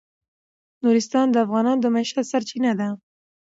نورستان د افغانانو د معیشت سرچینه ده.